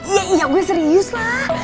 iya iya gue serius lah